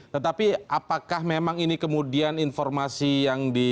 tetapi apakah memang ini kemudian informasi yang di